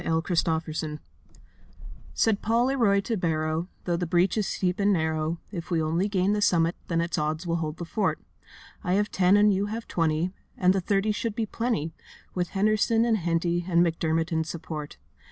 THE STORMING PARTY Said Paul Leroy to Barrow, 'Though the breach is steep and narrow, If we only gain the summit Then it's odds we hold the fort. I have ten and you have twenty, And the thirty should be plenty, With Henderson and Henty And McDermott in support.